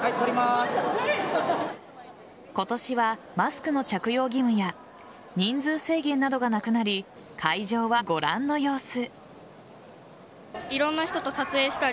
今年はマスクの着用義務や人数制限などがなくなり会場はご覧の様子。